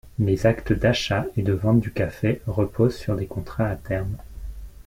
Les actes d’achat et de vente du café reposent sur des contrats à terme.